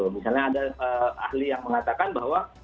misalnya ada ahli yang mengatakan bahwa